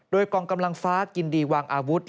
โดยกองกำลังฟ้ายินดีวางอาวุธ